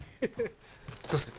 どうっすか？